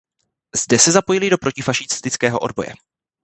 Zde se zapojili do protifašistického odboje.